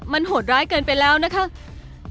มันโหดร้ายเกินไปแล้วนะคะ